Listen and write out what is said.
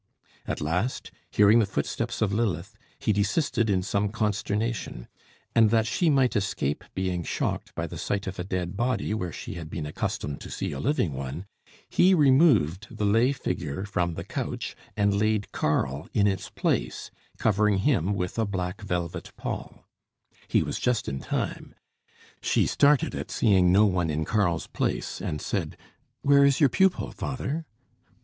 At last, hearing the footsteps of Lilith, he desisted in some consternation; and that she might escape being shocked by the sight of a dead body where she had been accustomed to see a living one, he removed the lay figure from the couch, and laid Karl in its place, covering him with a black velvet pall. He was just in time. She started at seeing no one in Karl's place and said "Where is your pupil, father?"